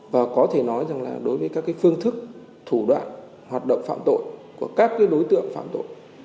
và có thể nói rằng là đối với các phương thức thủ đoạn hoạt động phạm tội của các đối tượng phạm tội